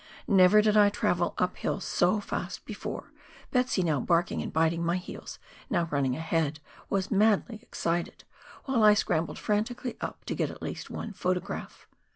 Never did I travel up hill so fast before ; Betsy now barking and biting my heels, now running ahead, was madly excited, while I scrambled frantically up to get at least one photograph.